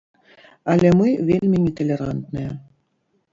Але мы вельмі неталерантныя.